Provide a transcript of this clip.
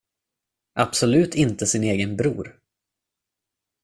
Absolut inte sin egen bror.